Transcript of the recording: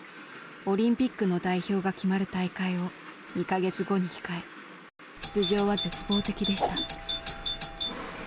オリンピックの代表が決まる大会を２か月後に控え出場は絶望的でした。